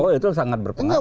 oh itu sangat berpengaruh